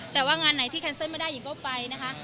แต่ว่างานไหนที่แคนเซิลไม่ได้หญิงก็ไปนะคะ